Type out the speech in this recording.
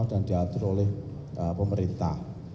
tergantung oleh pemerintah